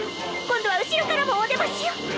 今度は後ろからもおでましよ！